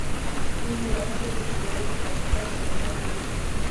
Viņi ir atraduši veidu kā šķērsot ezeru!